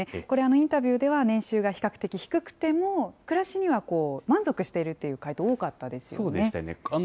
これ、インタビューでは年収が比較的低くても暮らしには満足しているという回答、多かったですよね。